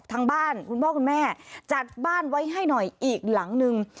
ทางบ้านคุณพ่อคุณแม่จัดบ้านไว้ให้หน่อยอีกหลังนึง